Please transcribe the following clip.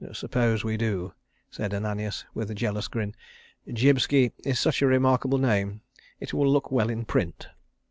"Suppose we do," said Ananias, with a jealous grin. "Jibski is such a remarkable name. It will look well in print."